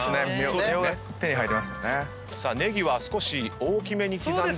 ネギは少し大きめに刻んでいます。